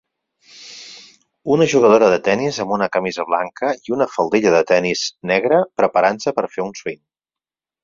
Una jugadora de tenis amb una camisa blanca i una faldilla de tenis negra preparant-se per a fer un swing.